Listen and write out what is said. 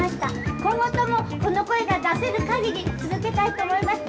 今後ともこの声が出せる限り続けたいと思います。